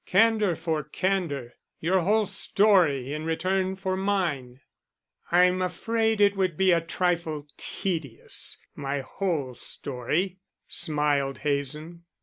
Candor for candor; your whole story in return for mine." "I'm afraid it would be a trifle tedious, my whole story," smiled Hazen.